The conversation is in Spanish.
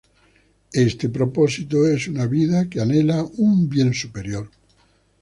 Este propósito es una vida que anhela un bien superior.